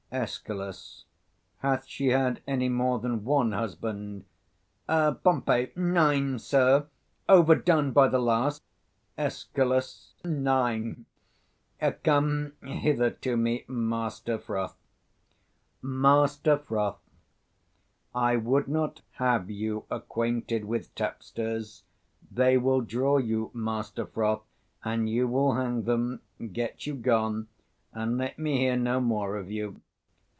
Escal. Hath she had any more than one husband? 190 Pom. Nine, sir; Overdone by the last. Escal. Nine! Come hither to me, Master Froth. Master Froth, I would not have you acquainted with tapsters: they will draw you, Master Froth, and you will hang them. Get you gone, and let me hear no more of you.